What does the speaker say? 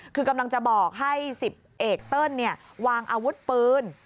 คือกำลังจะบอกให้๑๐เอกเติ้ลวางอาวุธปืน